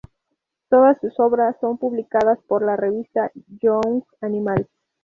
Todas sus obras son publicadas por la revista Young Animal.